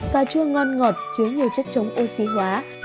cà chua ngon ngọt chứa nhiều chất chống oxy hóa